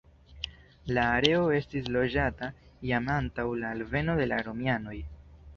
La areo estis loĝata jam antaŭ la alveno de la romianoj.